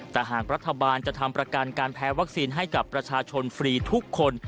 แต่หากรัฐบาลจะทำประกันการแพ้วัคซีนให้กับประชาชนฟรีทุกคน